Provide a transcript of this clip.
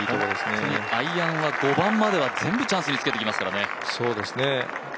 アイアンは５番までは全部チャンスにつけてきますからね。